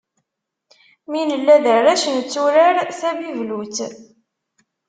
Mi nella d arrac, netturar tablibult.